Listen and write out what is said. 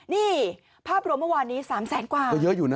นี่ภาพรวมเมื่อวานนี้๓๐๐๐กว่า